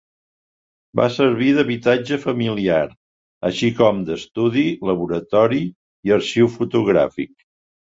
Va servir d'habitatge familiar així com d'estudi, laboratori i arxiu fotogràfic.